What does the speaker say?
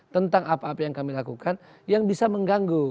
tentang apa apa yang kami lakukan yang bisa mengganggu